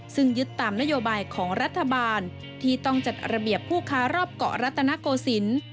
ซึ่งยึดตามนโยบายของรัฐบาลที่ต้องจัดระเบียบผู้ค้ารอบเกาะรัตนโกศิลป์